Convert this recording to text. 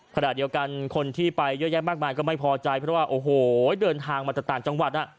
ขณะเดียวกันคนที่ไปเยอะแยะมากมายก็ไม่พอใจเพราะว่าโอ้โหเดินทางมาจากต่างจังหวัด